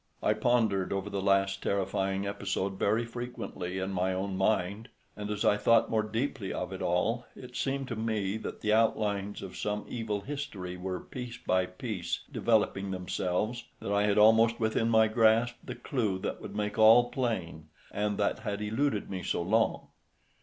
I pondered over the last terrifying episode very frequently in my own mind, and as I thought more deeply of it all, it seemed to me that the outlines of some evil history were piece by piece developing themselves, that I had almost within my grasp the clue that would make all plain, and that had eluded me so long.